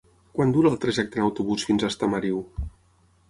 Quant dura el trajecte en autobús fins a Estamariu?